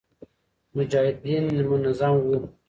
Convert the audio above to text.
مجاهدین منظم و